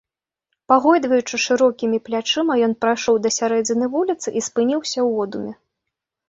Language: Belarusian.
Пагойдваючы шырокімі плячыма, ён прайшоў да сярэдзіны вуліцы і спыніўся ў одуме.